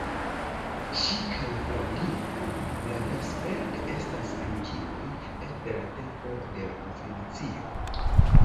Ŝi kaj fraŭlino Bratsberg estas amikinoj ekde la tempo de konfirmacio.